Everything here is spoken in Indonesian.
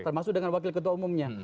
termasuk dengan wakil ketua umumnya